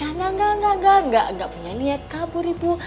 enggak enggak enggak enggak enggak gak punya niat kabur ibu